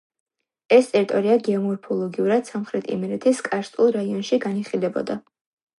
ეს ტერიტორია გეომორფოლოგიურად სამხრეთ იმერეთის კარსტულ რაიონში განიხილებოდა.